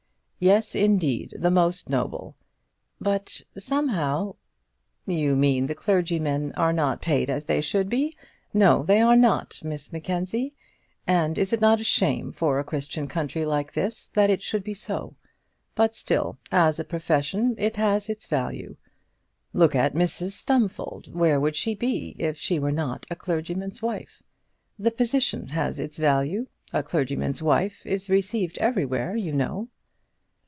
"Yes, indeed; the most noble." "But somehow " "You mean the clergymen are not paid as they should be. No, they are not, Miss Mackenzie. And is it not a shame for a Christian country like this that it should be so? But still, as a profession, it has its value. Look at Mrs Stumfold; where would she be if she were not a clergyman's wife? The position has its value. A clergyman's wife is received everywhere, you know."